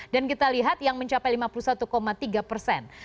dan kita lihat yang mencapai lima puluh satu tiga persen